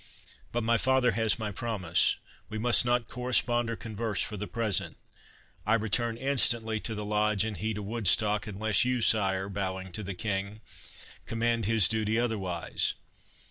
But my father has my promise—we must not correspond or converse for the present—I return instantly to the Lodge, and he to Woodstock, unless you, sire," bowing to the King, "command his duty otherwise.